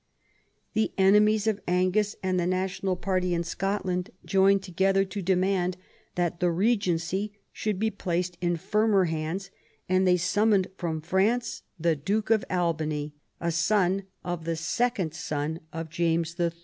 The enemies of Angus and the national party in Scotland joined together to demand that the Regency should be placed in firmer hands, and they summoned from France the Duke of Albany, a son of the second son of James III.